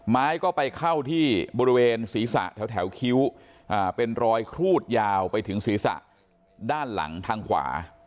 ไม้ก็ไปเข้าที่บริเวณศีรษะแถวคิ้วเป็นรอยครูดยาวไปถึงศีรษะด้านหลังทางขวา